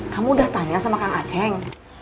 kamu udah tanya sama kang aceh